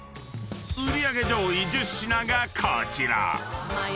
［売り上げ上位１０品がこちら］